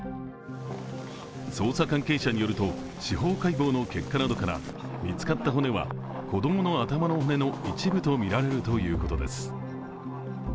捜査関係者によると、司法解剖の結果などから、見つかった骨は子供の頭の骨の一部とみられるということです。